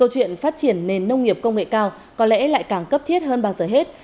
để phát triển nền nông nghiệp công nghệ cao có lẽ lại càng cấp thiết hơn bao giờ hết